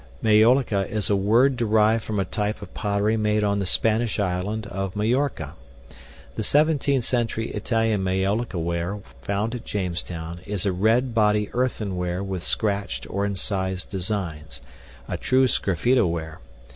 Maiolica is a word derived from a type of pottery made on the Spanish island of Mallorca. The 17th century Italian maiolica ware found at Jamestown is a red body earthenware with scratched or incised designs a true sgraffito ware.